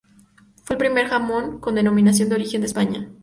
Fue el primer jamón con denominación de origen de España.